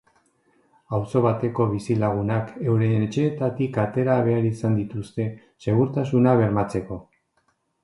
Auzo bateko bizilagunak euren etxeetatik atera behar izan dituzte, segurtasuna bermatzeko.